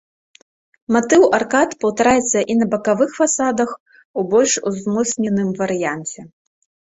Матыў аркад паўтараецца і на бакавых фасадах, у больш узмоцненым варыянце.